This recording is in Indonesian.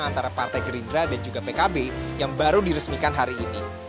antara partai gerindra dan juga pkb yang baru diresmikan hari ini